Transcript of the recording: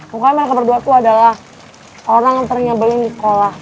mungkin mereka berdua tuh adalah orang yang ternyabelin di sekolah